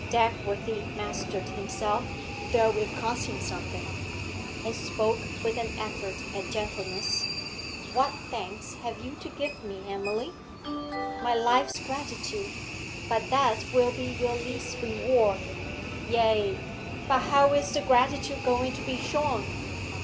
Dagworthy mastered himself, though it cost him something, and spoke with an effort at gentleness. 'What thanks have you to give me, Emily?' 'My life's gratitude but that will be your least reward.' 'Ay, but how is the gratitude going to be shown?'